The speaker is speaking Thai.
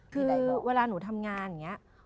คือเวลาหนูทำงานอย่างนี้